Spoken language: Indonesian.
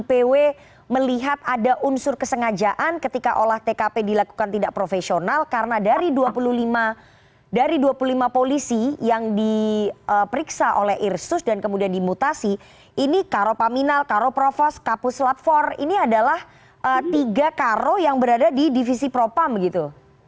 apakah kemudian ipw melihat ada unsur kesengajaan ketika olah tkp dilakukan tidak profesional karena dari dua puluh lima polisi yang diperiksa oleh irsus dan kemudian dimutasi ini karo paminal karo provos kapus lapfor ini adalah tiga karo yang berada di divisi propam gitu